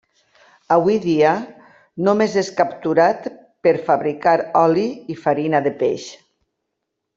Avui dia, només és capturat per fabricar oli i farina de peix.